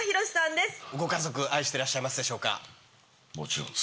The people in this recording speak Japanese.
ご家族愛してらっしゃいますでしょうか？